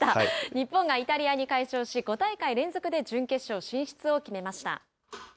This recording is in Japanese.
日本がイタリアに大勝し、５大会連続で準決勝進出を決めました。